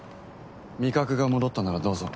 味覚が戻ったならどうぞ。